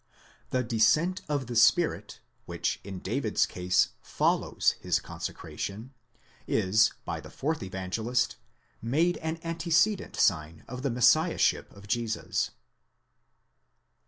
The descent of the Spirit, which in David's case follows his consecration, is, by the fourth Evangelist, made an antecedent sign of the Messiahship of Jesus.